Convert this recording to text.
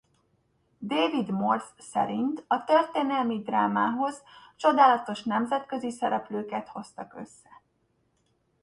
David Morse szerint a történelmi drámához csodálatos nemzetközi szereplőket hoztak össze.